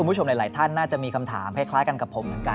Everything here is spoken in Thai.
คุณผู้ชมในหลายท่านน่าจะมีคำถามให้คล้ายกันกับผม